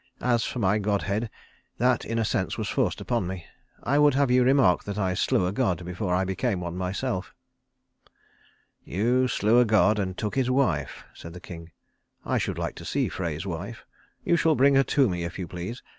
As for my godhead, that in a sense was forced upon me. I would have you remark that I slew a god before I became one myself." "You slew a god and took his wife," said the king. "I should like to see Frey's wife. You shall bring her to me, if you please.